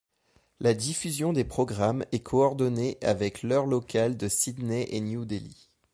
La diffusion des programmes est coordonnée avec l'heure locale de Sydney et New Delhi.